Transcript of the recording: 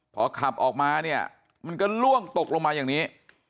พอขับออกมาเนี่ยมันก็ล่วงตกลงมาอย่างนี้